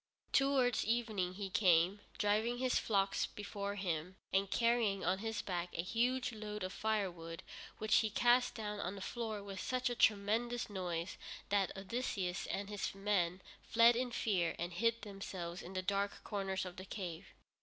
Towards evening he came, driving his flocks before him, and carrying on his back a huge load of firewood, which he cast down on the floor with such a thunderous noise that Odysseus and his men fled in fear and hid themselves in the darkest corners of the cave.